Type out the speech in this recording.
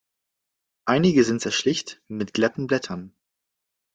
Einige sind sehr schlicht mit glatten Blättern.